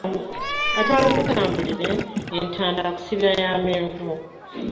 Ataalukutambulire entanda akusibira ya menvu.